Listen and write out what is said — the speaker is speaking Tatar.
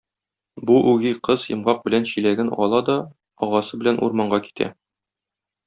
Бу үги кыз йомгак белән чиләген ала да агасы белән урманга китә.